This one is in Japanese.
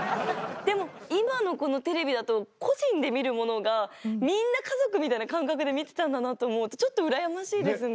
でも今のこのテレビだと個人で見るものがみんな家族みたいな感覚で見てたんだなと思うとちょっと羨ましいですね。